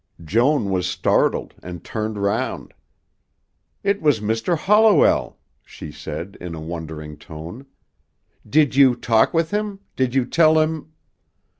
Joan was startled and turned round. "It was Mr. Holliwell," she said, in a wondering tone. "Did you talk with him? Did you tell him